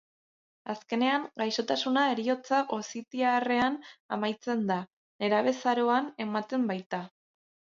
Azkenean, gaixotasuna heriotza gozitiarrean amaitzen da, nerabezaroan ematen baita.